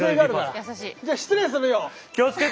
じゃあ失礼するよ。